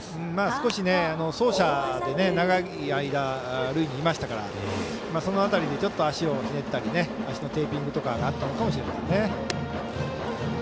少し走者で長い間、塁にいましたからその辺りで、足をひねったり足のテーピングとかがあるかもしれないですね。